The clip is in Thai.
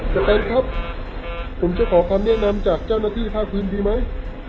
สแตนครับผมจะขอคำแนะนำจากเจ้าหน้าที่ภาคพื้นดีไหม